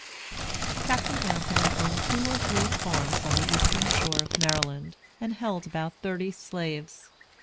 Captain Anthony owned two or three farms on the eastern shore of Maryland, and held about thirty slaves.